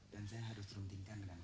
dan saya harus turunkan dengan partner saya